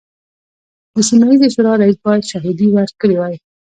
د سیمه ییزې شورا رئیس باید شاهدې ورکړي وای.